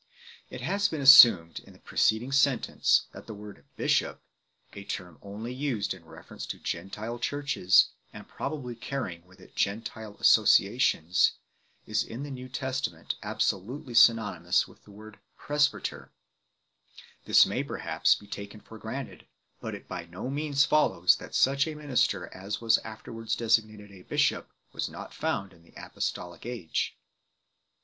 Bishops. It has been assumed in the preceding sentence that the word "bishop" (eV/cr #071 09) a term only used in reference to Gentile Churches, and probably carrying with it Gentile associations is in the New Testament absolutely synonymous with the word " presbyter 8 ." This may, per haps, be taken for granted ; but it by no means follows that such a minister as was afterwards designated a "bishop" was not found in the apostolic age.